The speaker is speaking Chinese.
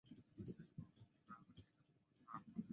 这些作品已到达调性的底线。